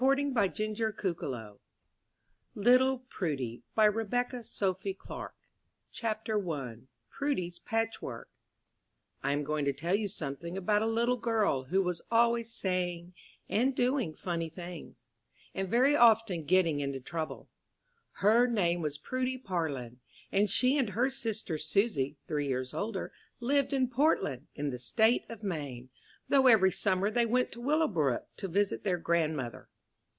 THE GYPSY SUPPER, XIV. THE ANGEL BABY, XV. GOING HOME, LITTLE PRUDY CHAPTER I PRUDY'S PATCHWORK I am going to tell you something about a little girl who was always saying and doing funny things, and very often getting into trouble. Her name was Prudy Parlin, and she and her sister Susy, three years older, lived in Portland, in the State of Maine, though every summer they went to Willowbrook, to visit their grandmother.